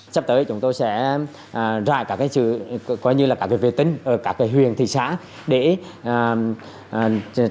sắp tới chúng tôi sẽ ra cả cái sự coi như là cả cái vệ tính cả cái huyền thị xã để trong năm